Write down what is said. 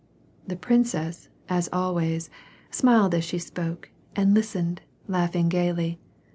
The princess, as always, smiled as she spoke, and listened, laughing gayly.